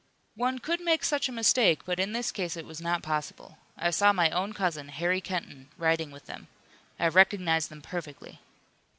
"One could make such a mistake, but in this case it was not possible. I saw my own cousin, Harry Kenton, riding with them. I recognized them perfectly."